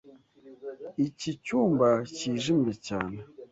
Iki cyumba cyijimye cyane.